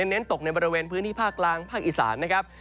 เน้นตกในบริเวณพื้นที่ภาคกลางภาคอีสานนะครับ